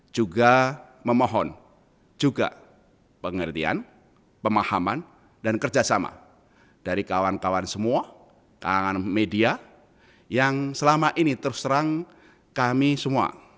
juga memohon juga pengertian pemahaman dan kerjasama dari kawan kawan semua kalangan media yang selama ini terus terang kami semua